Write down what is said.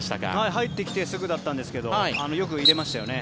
入ってきてすぐだったんですけどよく入れましたよね。